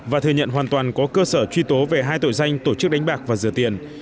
và thừa nhận hoàn toàn có cơ sở truy tố về hai tội danh tổ chức đánh bạc và rửa tiền